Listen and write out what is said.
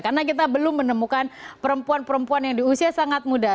karena kita belum menemukan perempuan perempuan yang di usia sangat muda